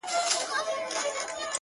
بېغمه ژوند وو، وسوسه مې نه وه